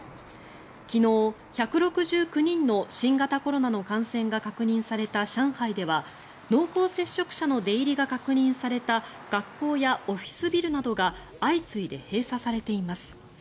昨日、１６９人の新型コロナの感染が確認された上海では濃厚接触者の出入りが確認された学校やオフィスビルなどが相次いで閉鎖されています。